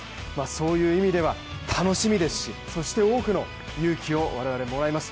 そういう意味では楽しみですし、そして多くの勇気を我々、もらいます。